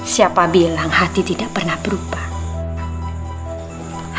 siapa bilang hati tidak pernah berubah